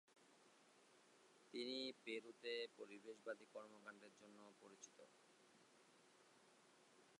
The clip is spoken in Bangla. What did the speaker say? তিনি পেরুতে পরিবেশবাদী কর্মকাণ্ডের জন্য পরিচিত।